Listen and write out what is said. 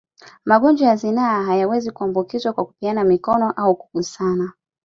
Magonjwa ya zinaa hayawezi kuambukizwa kwa kupeana mikono au kugusana